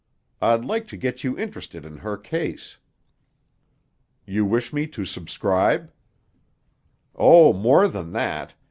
I'd like to get you interested in her case." "You wish me to subscribe?" "Oh, more than that.